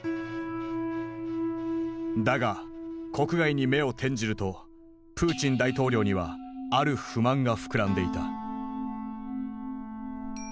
だが国外に目を転じるとプーチン大統領にはある不満が膨らんでいた。